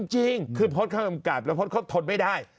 จริงคือพลตกำกับพลตทดไม่ได้